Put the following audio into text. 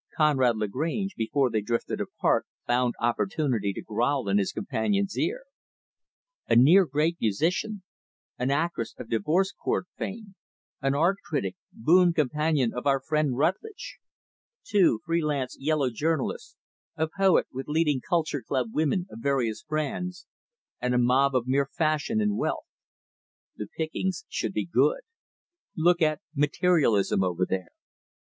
Conrad Lagrange, before they drifted apart, found opportunity to growl in his companion's ear; "A near great musician an actress of divorce court fame an art critic, boon companion of our friend Rutlidge two free lance yellow journalists a poet with leading culture club women of various brands, and a mob of mere fashion and wealth. The pickings should be good. Look at 'Materialism', over there."